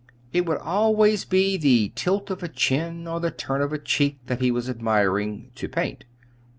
It would always be the tilt of a chin or the turn of a cheek that he was admiring to paint.